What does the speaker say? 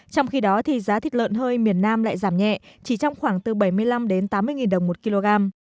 trong khi đó giá thịt lợn hơi miền nam lại giảm nhẹ chỉ trong khoảng từ bảy mươi năm đến tám mươi đồng một kg